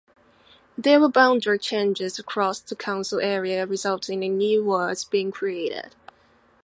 There were boundary changes across the council area resulting in new wards being created.